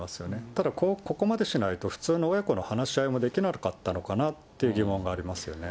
ただここまでしないと、普通の親子の話し合いもできなかったのかなという疑問がありますよね。